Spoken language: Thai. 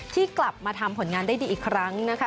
ที่กลับมาทำผลงานได้ดีอีกครั้งนะคะ